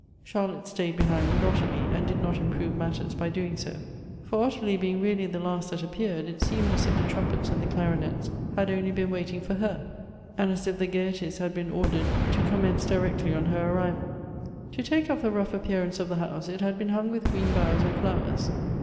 Charlotte staid behind with Ottilie, and did not improve matters by doing so. For Ottilie being really the last that appeared, it seemed as if the trumpets and the clarionets had only been waiting for her, and as if thegayeties had been ordered to commence directly on her arrival. To take off the rough appearance of the house, it had been hung with green boughs and flowers.